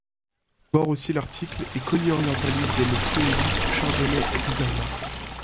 Voir aussi l’article et Colli Orientali del Friuli Chardonnay riserva.